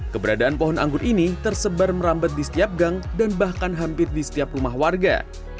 keberadaan pohon anggur ini tersebar merambat di setiap gang dan bahkan hampir di setiap rumah warga